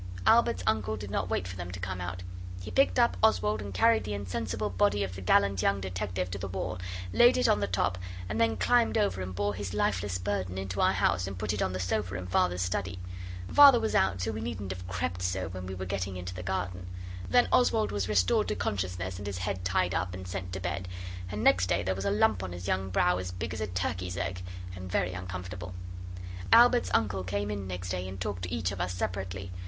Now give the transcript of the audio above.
Albert's uncle did not wait for them to come out. He picked up Oswald and carried the insensible body of the gallant young detective to the wall, laid it on the top, and then climbed over and bore his lifeless burden into our house and put it on the sofa in Father's study. Father was out, so we needn't have crept so when we were getting into the garden. Then Oswald was restored to consciousness, and his head tied up, and sent to bed, and next day there was a lump on his young brow as big as a turkey's egg, and very uncomfortable. Albert's uncle came in next day and talked to each of us separately.